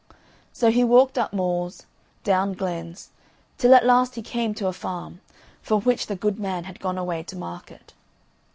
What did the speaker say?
So he walked up moors, down glens, till at last he came to a farm, from which the good man had gone away to market.